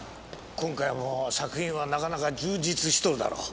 今回も作品はなかなか充実しとるだろう。